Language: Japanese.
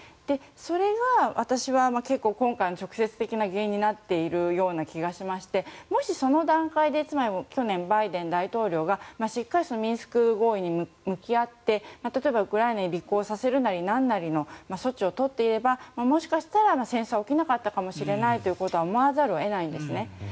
それが私は結構、今回の直接的な原因になっているような気がしましてもしその段階で去年、バイデン大統領がしっかりミンスク合意に向き合って例えば、ウクライナに履行させるなりなんなりの措置を取っていればもしかしたら戦争は起きなかったかもしれないということは思わざるを得ないんです。